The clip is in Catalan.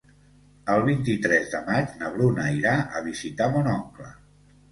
El vint-i-tres de maig na Bruna irà a visitar mon oncle.